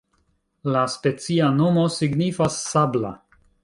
La specia nomo signifas sabla.